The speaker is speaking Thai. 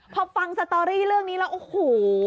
พอฟังสตอรี่เรื่องนี้แล้วโอ้โห